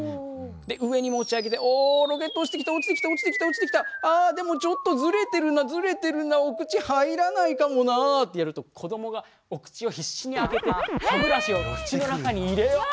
で上に持ち上げて「おロケット落ちてきた落ちてきた落ちてきたあでもちょっとズレてるなズレてるなお口入らないかもな」ってやると子どもがお口を必死に開けて歯ブラシを口の中に入れようって頑張るんですよ。